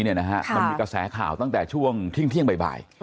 มันมีกระแสข่าวตั้งแต่ช่วงเที่ยงบ่าย